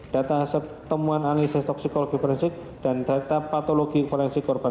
data hasil temuan analisis toksikologi forensik dan data patologi forensik korban